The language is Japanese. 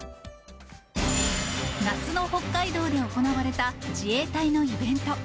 夏の北海道で行われた自衛隊のイベント。